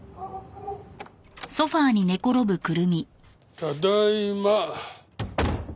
ただいま。